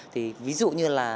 thì ví dụ như là